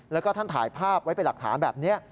แล้วก็ท่านถ่ายภาพไว้เป็นหลักฐานแบบนี้